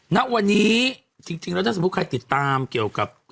ณวันนี้จริงแล้วถ้าสมมุติใครติดตามเกี่ยวกับ